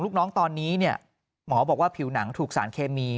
ลูกน้องตอนนี้เนี่ยหมอบอกว่าผิวหนังถูกสารเคมี